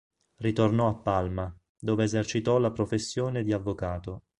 Ritornò a Palma, dove esercitò la professione di avvocato.